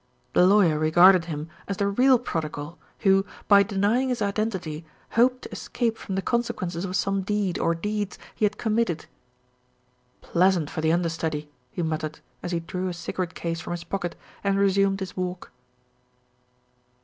The lawyer regarded him as the real prodigal, who, by denying his identity, hoped to escape from the consequences of some deed, or deeds, he had committed. "Pleasant for the understudy," he muttered, as he drew his cigarette case from his pocket and resumed his walk.